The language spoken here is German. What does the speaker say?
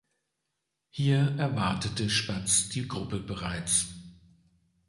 Hier erwartete Spatz die Gruppe bereits.